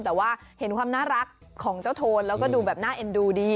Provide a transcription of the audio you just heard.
แต่ว่าเห็นความน่ารักของเจ้าโทนแล้วก็ดูแบบน่าเอ็นดูดี